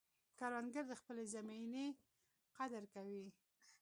کروندګر د خپلې زمینې قدر کوي